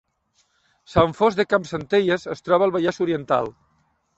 Sant Fost de Campsentelles es troba al Vallès Oriental